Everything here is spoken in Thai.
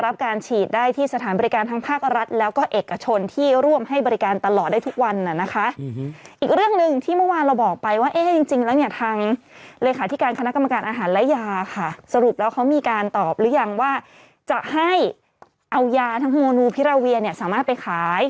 ปิดและหญ้ายาค่ะสรุปแล้วเขามีการตอบหรือยังจ์ว่าจะให้เอายาทางโมนูพิระเวียสามารถไปขาย